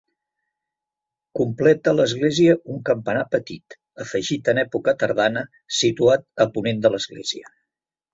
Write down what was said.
Completa l'església un campanar petit, afegit en època tardana, situat a ponent de l'església.